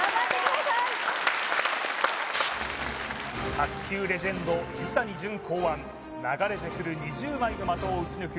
卓球レジェンド水谷隼考案流れてくる２０枚の的を打ち抜く